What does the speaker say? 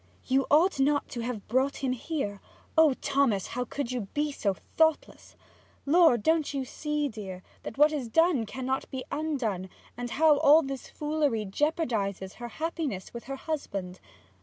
'You ought not to have brought him here. Oh Thomas, how could you be so thoughtless! Lord, don't you see, dear, that what is done cannot be undone, and how all this foolery jeopardizes her happiness with her husband?